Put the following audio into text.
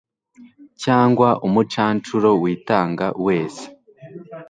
cyangwa umucancuro witanga wese